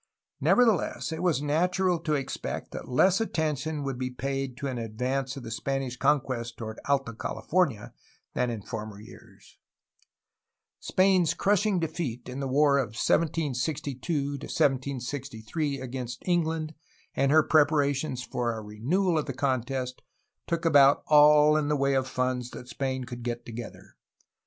Nevertheless, it was natural to expect that less attention would be paid to an advance of the Spanish conquest toward Alta California than in former years. PROGRESS OF OVERLAND ADVANCE 201 Spain's crushing defeat in the war of 1762 1763 against England and her preparations for a renewal of the contest took about all in the way of funds that Spain could get to gether.